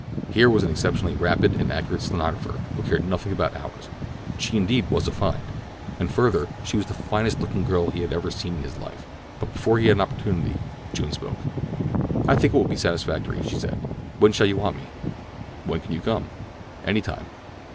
Here was an exceptionally rapid and accurate stenographer who cared nothing about hours—she was indeed a find; and further, she was the finest looking girl be had ever seen in his life. But before he had an opportunity June spoke. "I think that will be satisfactory," she said. "When shall you want me?" "When can you come?" "Any time."